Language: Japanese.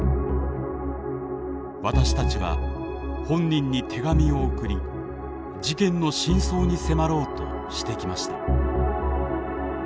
私たちは本人に手紙を送り事件の真相に迫ろうとしてきました。